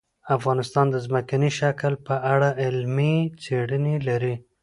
افغانستان د ځمکنی شکل په اړه علمي څېړنې لري.